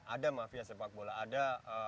ada mafia sepak bola ada